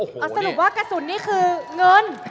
เอาสรุปว่ากระสุนนี่คือเงิน